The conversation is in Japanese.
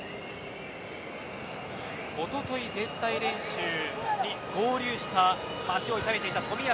おととい全体練習に合流した足を痛めていた冨安。